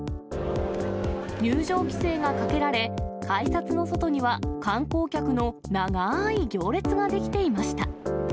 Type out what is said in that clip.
入場規制がかけられ、改札の外には観光客の長い行列が出来ていました。